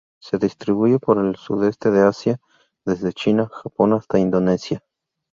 Se distribuye por el sudeste de Asia, desde China, Japón hasta Indonesia.